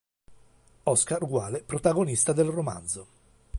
Oscar= protagonista del romanzo.